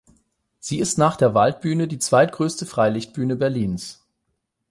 Sie ist nach der Waldbühne die zweitgrößte Freilichtbühne Berlins.